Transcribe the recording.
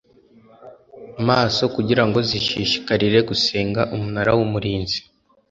maso kugira ngo zishishikarire gusenga umunara w umurinzi